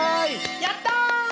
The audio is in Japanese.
やった！